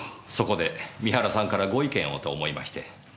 そこで三原さんからご意見をと思いまして。